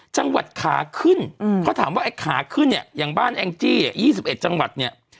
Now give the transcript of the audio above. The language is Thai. จังหวัดขาขึ้นเขาถามว่าไอ้ขาขึ้นเนี่ยอย่างบ้านแองจี้๒๑จังหวัดเนี่ย